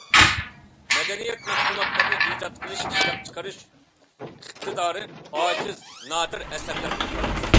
مەدەنىيەت مەھسۇلاتلىرىنى ئىجاد قىلىش، ئىشلەپچىقىرىش ئىقتىدارى ئاجىز، نادىر ئەسەرلەر كۆپ ئەمەس.